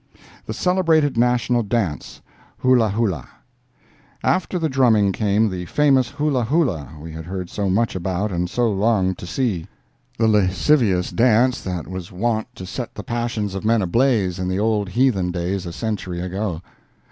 THE CELEBRATED NATIONAL DANCE ( HULAHULA ) After the drumming came the famous hulahula we had heard so much about and so longed to see—the lascivious dance that was wont to set the passions of men ablaze in the old heathen days, a century ago.